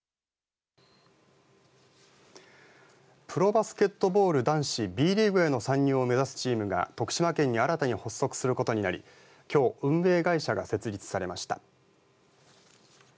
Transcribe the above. プロバスケットボール男子Ｂリーグへの参入を目指すチームが徳島県に新たに発足することになりきょう運営会社が設立されました。